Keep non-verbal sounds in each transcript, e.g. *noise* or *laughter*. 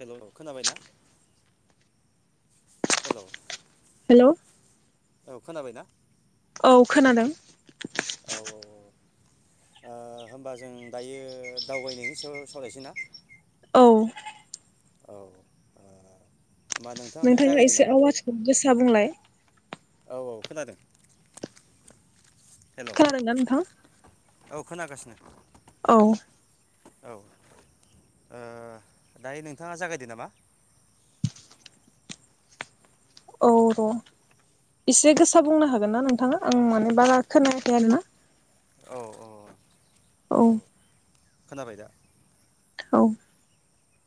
हेल' खोनाबायना? Hello. Hello. औ खोनाबायना? औ खोनादों। औ औ औ होनबा जों दायो दावबायनायनि सायाव सावरायनोसै ना औ औ होमबा नोंथाङानो नोंथाङा जागायदो एसे नामा आवाजखौ गोसा बुंलाय औ औ खोनादों हेल' खोनादोंना नोंथां औ खोनागासिनो औ औ ओ दायो नोंथाङा जागायदो नामा औ र' एसे गोसा बुंनो हागोन ना नोंथाङा आं माने बारा खोनायाखै आरोना। औ औ औ खोनाबाय दा औ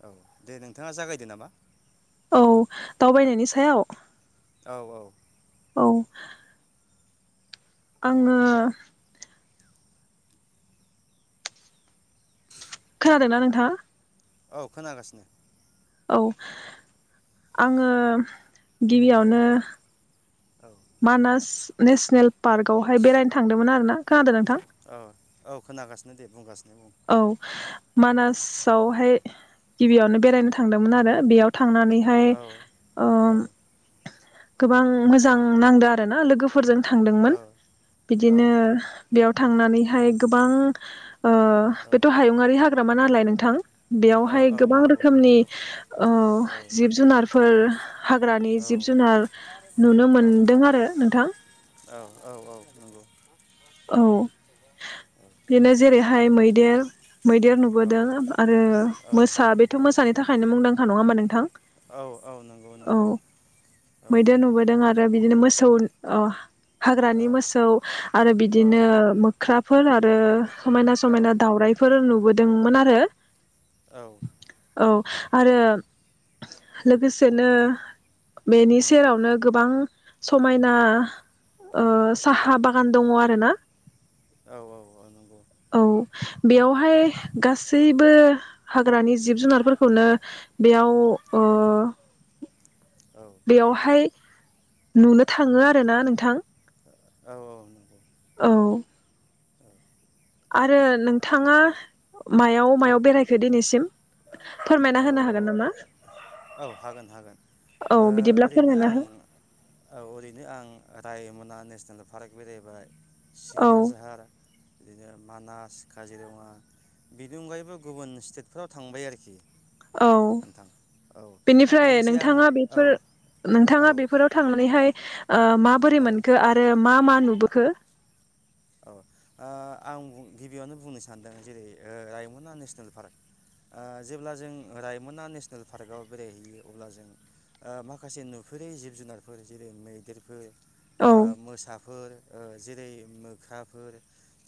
औ दे नोंथाङा जागायदो नामा औ दावबायनायनि सायाव औ औ औ आंङो खोनादोंना नोंथाङा औ खोनागासिनो औ आंङो औ गिबियावनो औ मानास नेसनेल पार्कआवहाय बेरायनो थांदोंमोन आर ना खोनादों नोंथां औ औ खोनागासिनो दे बुंगासिनो बुं औ औ मानासावहाय गिबियावनो बेरायनो थांदोंमोन आरो बेयाव थांनानैहाय औ ओ औ गोबां मोजां नांदों आरो ना लोगो फोरजों थांदोंमोन बिदिनो बेयाव थांनानैहाय गोबां ओ औ बेथ' हायुंआङारि हाग्रामा नालाय नोंथां औ बेयावहाय औ गोबां नंगौ रोखोमनि नंगौ ओ औ जिब जुनारफोर हाग्रानि औ जिब जुनार नुनो मोनदों आरो नोंथां नंगौ औ बेनो जेरैहाय मैदेर मैदेर नुबोदों औ आरो औ मोसा बेथ' मोसानि थाखायनो मुंदांखा नङा हबा नोंथां औ औ नंगौ औ नंगौ औ मैदेर नुबोदों आ ओमफ्राय बिदिनो मोसौ अ हाग्रानि मोसौ आरो बिदिनो मोख्रा फोलाद आरो समायना औ समायना दावउराइफोर नुबोदों मोन आरो। औ आरो लोगोसेनो बेनि उम सेरावनो गोबां समायना ओ साहा औ बागान दङ आरो ना औ औ औ नंगौ। औ बेयावहाय गासैबो हाग्रानि जिब जुनारफोरखौनो बेयाव ओ औ बेयावहाय नुनो थाङो आरो ना नोंथां। औ औ नंगौ। औ। आरो नोंथाङा मायाव औ मायाव बेरायखो दिनैसिम फोरमायना औ होनो हागोन नामा औ हागोन हागोन औ बिदिब्ला ओरैनो फोरमायना आं हो औ ओरैनो आं रायमना नेसनेल पार्क बेरायबाय। औ सिखोना जाहार बिदिनो मानास काजिरङा बिनि अनगायैबो गुबुन स्टेटफोराव थांबाय आरोखि। औ नोंथां औ बेनिफ्राय लोगोसे आं नोंथाङा औ बेफोर औ नोंथाङा बेफोराव थांनानैहाय ओ माबोरै औ मोनखो आरो मा मा नुबोखो? औ ओ आं बुं गिबियावनो बुंनो सानदों जेरै ओ रायमना नेसनेल पार्क। ओ जेब्ला जों रायमना नेसनेल पार्कआव बेरायहैयो अब्ला जों ओ माखासे नुफेरै जिब-जुनारफोर जेरै मैदेरफोर ओ औ मोसाफोर ओ जेरै मोख ख्राफोर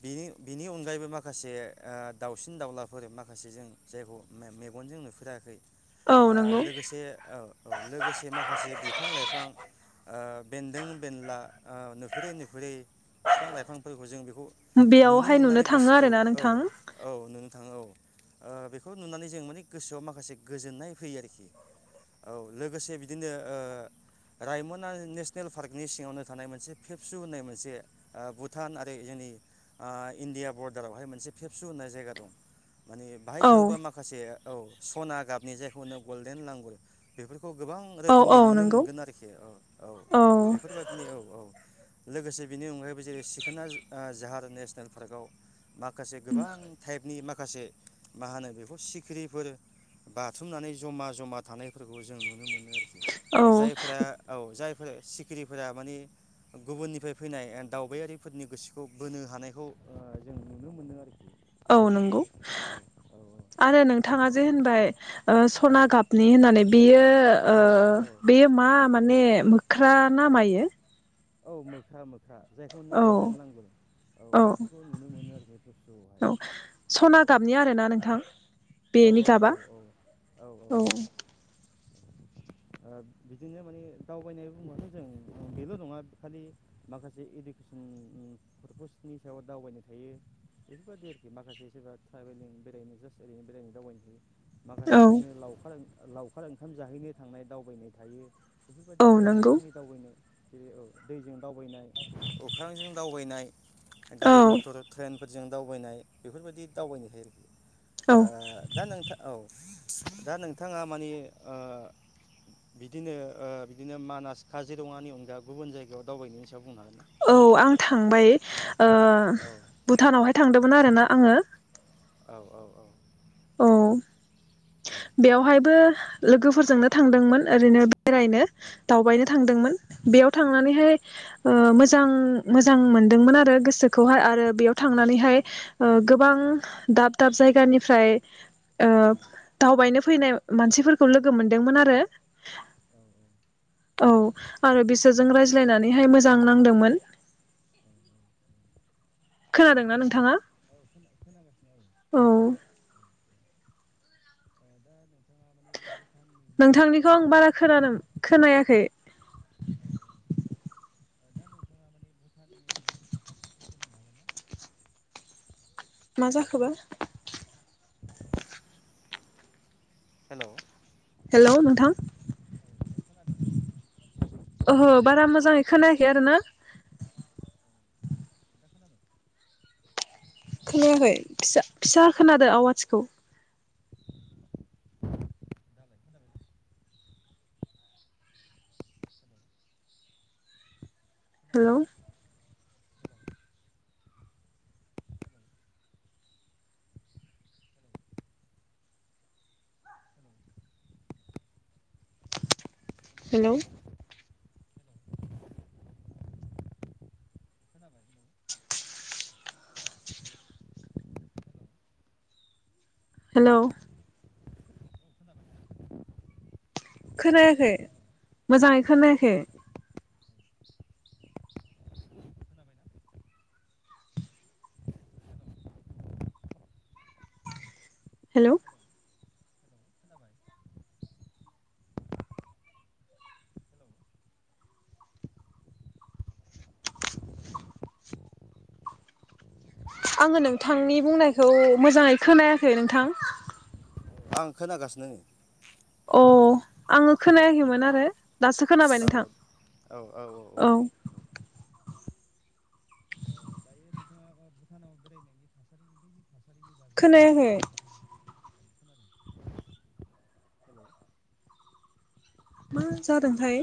बिनि-बिनि अनगायैबो माखासे ओ दाउसिन दाउलाफोर माखासे जों जायखौ मे-मेगनजों नुफेराखै औ ओ नंगौ लोगोसे औ औ लोगोसे माखासे बिफां-लाइफां ओ बेन्दों बेनला ओ नुफेरै नुफेरै बिफां-लाइफां फोरखौ जों बेखौ नुनो बेयावहाय मोननानै थाङो गोसो आरोना औ नोंथां औ औ नो थाङो औ ओ बेखौ नुनानै जों माने गोसोआव माखासे गोजोननाय फैयो आरोखि औ लोगोसे बिदिनो ओ रायमना नेसनेल पार्कनि सिङावनो थानाय मोनसे फेबसु होननाय मोनसे ओ भुट भुटान आरो जोंनि ओ इण्डिया बरडारावहाय मोनसे फेबसु होननाय जायगा दं। माने बाहाय औ थाङोबा माखासे औ सना गाबनि जायखौ होनो गल्डेन लांगुर बेफोरखौ खौ गोबां औ रोखोमनि औ नुनो नंगौ मोनगोन आरोखि औ औ बेफोरबायाददिनो औ औ लोगोसे बिनि अनगायैबो जेरै सिक सिखोना ज ओ जाहार नेसनेल पार्कआव माखासे गोबां टाइपनि माखासे माखासे मा होनो बेखौ सिखिरिफोर बाथुमनानै जमा जमा थानाय फोरखौ जों नुनो मोनो आरोखि औ जायफोरा औ जाय सिखिरिफोरा माने गुबुननिफ्राय फैनाय ओ दावबायारि फोरनि गोसोखौ बोनो हानायखौ ओ जों नुनो मोनदों आरोखि। औ बेबायदि नंगौ औ आरो नोंथाङा जे होनबाय ओ औ सना गाबनि होननानै बियो ओ औ औ बेयो मा? माने मोख ख्रा ना औ मायो? औ मोख्रा मोख ख्रा जायखौ होननो औ गलडेन लांगुर औ बेफोरखौ नुनो मोनो आरोखि पेबसुवहाय औ औ। सना गाबनि आरोना नोंथां बेनि औ औ गाबा औ। ओ बिदिनो माने दावबायनाय बुंबाथ' जों बेल' नङा खालि माखासे इडुकेसन पारपसनि सायाव दावबायनो थायो बेफोरबायादि आरोखि माखासे सोरबा ट्राइभेलिं बेरायनो जास्ट ओरैनो बेरायनो दावबायनो थायो। माखासे औ बिदिनो लावखार ओं लावखार ओंखाम जाहैनो थांनाय दावबायनाय थायो बेफोरबायदि औ गोबां नंगौ रोखोमनि दावबायनाय जेरै औ दैजों दावबायनाय अख्रांजों दावबायनाय औ गारि मथर ट्रेन जों दावबायनाय बेफोरबायदि दावबायनो हायो औ ओ दा नोंथां औ। दा नोंथाङा माने बिदिनो बिदिनो मानास काजिरङानि अनगा गुबुन जायगायाव दावबायनायनि सायाव बुंनो हागोन। ना? औ आं थांबाय औ भुटानावहाय थांदों आरोना आङो। औ औ औ। औ। औ बेवहायबो लोगोफोरजोंनो थांदोंमोन ओरैनो बेरायनो। दावबायनो औ थांदोंमोन बेयाव औ थांनानैहाय ओ मोज जां मोजां मोनदोंमोन आरो गोसोखौहाय आरो बेयाव थांनानैहाय गोबां दाब दाब जायगानिफ्राय ओ दावबायनो फैनाय मानसिफोरखौ लोगो मोनदोंमोन आरो औ आरो बिसोरजों रायज्लायनानैहाय मोजां नांदोंमोन खोनादों ना नोंथाङा दा औ खोनागासिनो औ *inaudible* बे भुटाननि माने औ नोंथांनिखौ आं बारा औ खोनानों खोनायाखै औ *inaudible* मा खोनादों जाखोबा हेल' हेलौ नोंथां खोनादोंना? ओहो बारा मोजाङै खोनायाखै आरो ना दा खोनाबाय खोनायाखै फिसा खोनादो आवाजखौ दालाय खोनाबायना हेल' खोनाबायना? हेल' हेलौ' हेलौ खोनायाखै मोजांङै खोनायाखै हेलौ आङो नोंथांनि बुंनायखौ मोजाङै खोनायाखै नोंथां आं खोनागासिनो नै अ आङो खोनायाखैमोन आरो दासो खोनाबाय नोंथां औ *inaudible* *inaudible* *inaudible* बिनि खोनायाखै कालसारफोरनि *inaudible* मा हेलौ जादों थाय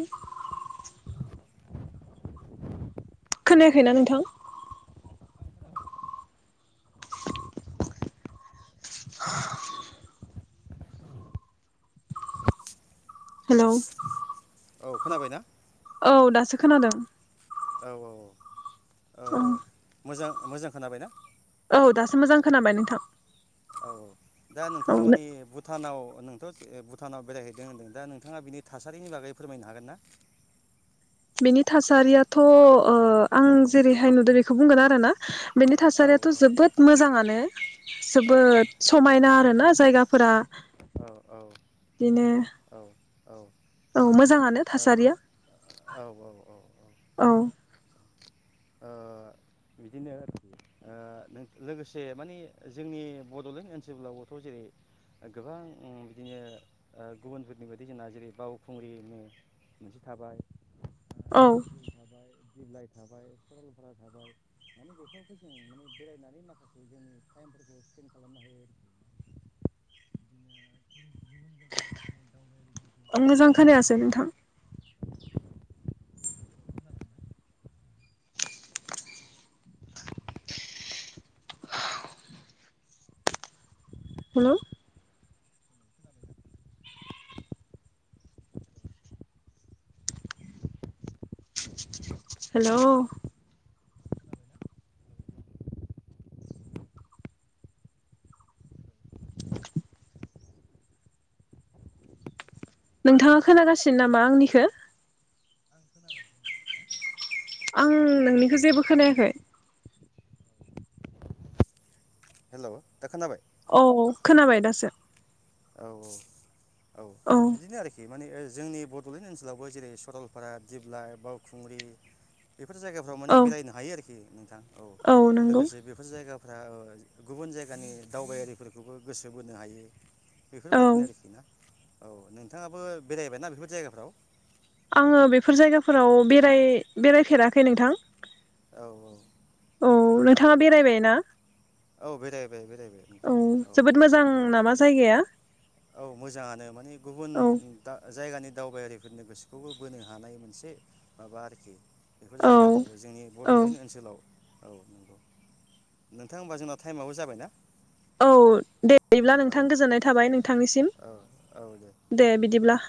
खोनायाखैना नोंथां *inaudible* हेलौ औ खोनाबाय ना औ दासो खोनादों औ औ। औ मोजां मोजां खोनाबायना? औ दासो मोजां खोनाबाय नोंथां। औ दा औ नोंथाङा माने भुटानाव नोंथ' भुटानाव बेरायहैदों होनदों दा नोंथाङा बिनि थासारिनि बागै फोरमायनो हागोन ना? बिनि थासारियाथ' अ आं औ जेरैहाय नुदों बेखौ बुंगोन आ रो ना बेनि औ थासारियाथ' जोबोद मोजाङानो औ जोबोद समायना ना जायगाफोरा औ बिदिनो औ औ। औ मोजाङानो औ थासारिया औ औ औ औ ओ बिदिनो लोगोसे माने जोंनि बड'लेण्ड ओनसोलावबोथ' जेरै गोबां बिदिनो गुबुनफोरनि बायदि जोंना जेरै बावखुंग्रि मोनसे थाबाय। औ। दिरिबिल थाबाय दिप्लइ थाबाय सरलपारा थाबाय माने बेफोरबो जों माने बेरायनानै माखासे जोंनि टाइमफोरखौ स्पेन खालामनो हायो आरोखि गुबुन जायगानि दावबायारिफोरखौ मोजां गोसो खोनायासै बोनो नोंथां हायो खोनादोंना? हेल' हेल' नोंथाङा खोनागासिनो नामा आंनिखो? *inaudible* आं नोंनिखौ जेबो खोनायाखै। हेल' दा खोनाबाय? औ खोनाबाय दासो। औ औ। बिदिनो आरोखि माने जोंनि बड'लेण्ड ओनसोलावबो जेरै सरलपारा दिप्लाय बावखुंग्रि बेफोर जायगाफ्राव माने औ बेरायनो हायो आरोखि नोंथां औ लोगोसे बेफोर जायगा गुबुन जायगानि दावबायारिफोरखौबो गोसो बोनो हायो। औ बेफोरबायादिनो आरोखिना। औ नोंथाङाबो बेरायबाय ना बेफोर जायगाफ्राव? आङो बेफोर जायगाफोराव बेराय बेरायफेराखै नोंथां। औ औ नंगौ नोंथाङा बेरायबाय ना औ बेरायबाय बेरायबाय औ जोबोद मोजां औ। नामा जायगाया औ मोजाङानो माने गुबुन औ दा जाय दानि दावबायारिफोरनि गोसोखौबो बोनो हानाय मोनसे माबा आरोखि बेफोर औ जायगाफ्राबो जोंनि औ बड'लेण्ड ओनसोलाव औ नंगौ नोंथां होमबा जोंना टाइमाबो जाबाय ना। औ दे दिब्ला नोंथां गोजोननाय थाबाय नोंथांनिसिम औ दे बिदिब्ला